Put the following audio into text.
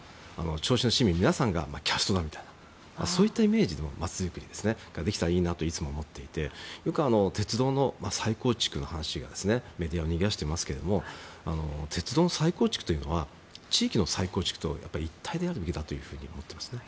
銚子の市民の皆さんがキャストだみたいなそういったイメージの街づくりができたらいいなといつも思っていてよく鉄道の再構築の話がメディアをにぎわせていますが鉄道の再構築というのは地域の再構築と一体であるべきだと思っていますね。